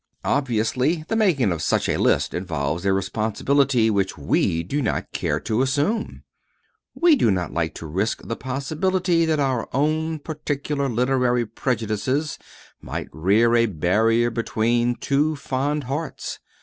Obviously, the making of such a list involves a responsibility which we do not care to assume. We do not like to risk the possibility that our own particular literary prejudices might rear a barrier between two fond hearts.